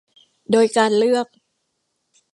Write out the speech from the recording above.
โดยการเลือก